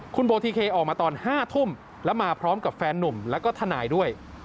คุณโบทิเคออกมาตอน๕ทุ่มแล้วมาพร้อมกับแฟนนุ่มแล้วก็ทนายด้วย